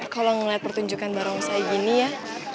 kalau ngeliat pertunjukan bareng saya gini ya